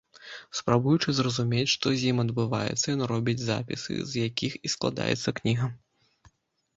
Спрабуючы зразумець, што з ім адбываецца, ён робіць запісы, з якіх і складаецца кніга.